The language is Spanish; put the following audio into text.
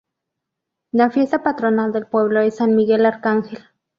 La fiesta patronal del pueblo es San Miguel Arcángel.